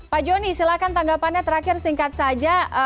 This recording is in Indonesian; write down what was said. pak joni silahkan tanggapannya terakhir singkat saja